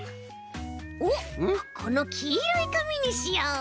おっこのきいろいかみにしよう。